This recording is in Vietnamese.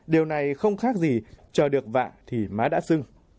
điều này không khác gì chờ được vạ thì má đã sưng